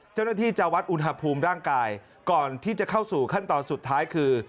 เจ้าหน้าที่จะวัดอุณหภูมิร่างกายก่อนที่จะเข้าสู่ขั้นตอนสุดท้ายคือ